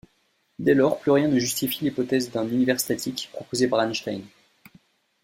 Dès lors, plus rien ne justifie l’hypothèse d’un Univers statique proposée par Einstein.